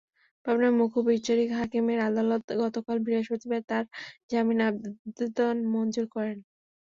পাবনার মুখ্য বিচারিক হাকিমের আদালত গতকাল বৃহস্পতিবার তাঁর জামিন আবেদন মঞ্জুর করেন।